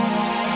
ya udah om baik